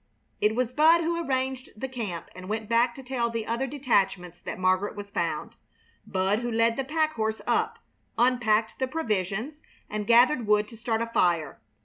It was Bud who arranged the camp and went back to tell the other detachments that Margaret was found; Bud who led the pack horse up, unpacked the provisions, and gathered wood to start a fire.